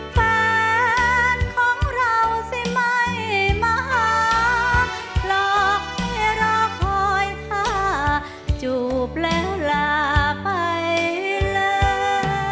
แฟนของเราสิไม่มาหาหลอกให้รอคอยถ้าจูบแล้วลาไปเลย